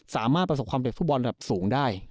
สามารถประสบความเป็นผู้เล่นฟุตบอลแบบสูงได้